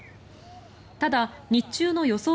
ただ、日中の予想